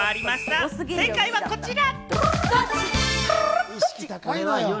正解はこちら！